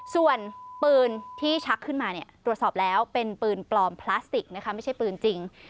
ส่วนปืนที่ชักขึ้นมาเนี่ยตรวจสอบแล้วเป็นปืนปลอมพลาสติกนะคะไม่ใช่ปืนจริง